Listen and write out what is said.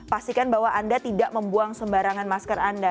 pastikan bahwa anda tidak membuang sembarangan masker anda